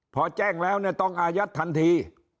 พอแจ้งแล้วต้องอายัดทันที